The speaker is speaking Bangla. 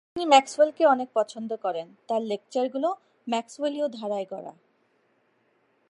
তিনি ম্যক্সওয়েলকে অনেক পছন্দ করেন, তার লেকচারগুলো ম্যক্সওয়েলীয় ধারায় গড়া।